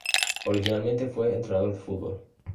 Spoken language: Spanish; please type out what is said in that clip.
Originalmente fue un entrenador de fútbol.